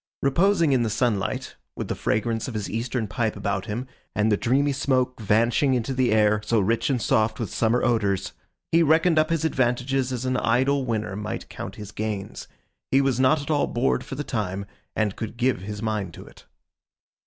Reposing in the sunlight, with the fragrance of his eastern pipe about him, and the dreamy smoke vanishing into the air, so rich and soft with summer odours, he reckoned up his advantages as an idle winner might count his gains. He was not at all bored for the time, and could give his mind to it.